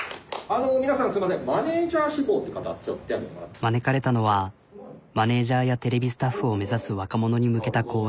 招かれたのはマネジャーやテレビスタッフを目指す若者に向けた講演。